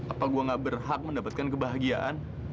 apa gue gak berhak mendapatkan kebahagiaan